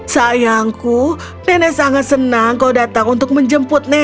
sayangku nenek sangat senang kau datang untuk menjemput nenek